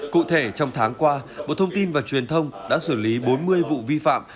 cụ thể trong tháng qua bộ thông tin và truyền thông đã xử lý bốn mươi vụ vi phạm